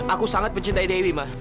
aku sangat mencintai dwi ma